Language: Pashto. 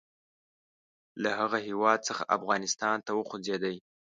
له هغه هیواد څخه افغانستان ته وخوځېدی.